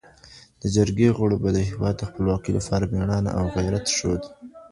د جرګي غړو به د هیواد د خپلواکۍ لپاره مېړانه او غیرت ښود.